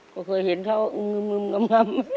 ก็เคยเห็นเขางึมคำ